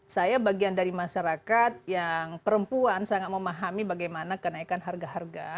saya bagian dari masyarakat yang perempuan sangat memahami bagaimana kenaikan harga harga